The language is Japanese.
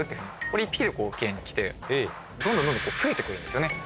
これ１匹で来てどんどんどんどん増えて来るんですよね。